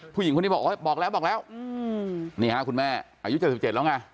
ผู้หญิงคนนี้บอกบอกแล้วบอกแล้วอืมนี่ฮะคุณแม่อายุเจ็ดสิบเจ็ดแล้วไง